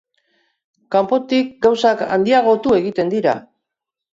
Kanpotik gauzak handiagotu egiten dira.